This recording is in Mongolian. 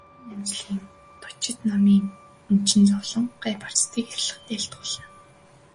Жүгдэрнамжилын дончид номыг өвчин зовлон, гай барцдыг арилгахад айлтгуулна.